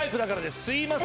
すいません。